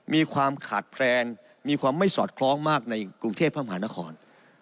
มีความขาดแคลนมีความไม่สอดคล้องมากในกรุงเทพมหานคร